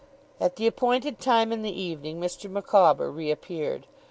At the appointed time in the evening, Mr. Micawber reappeared.